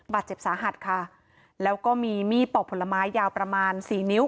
บาดเจ็บสาหัสค่ะแล้วก็มีมีดปอกผลไม้ยาวประมาณสี่นิ้ว